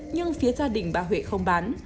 nhưng phía gia đình bà huệ không bán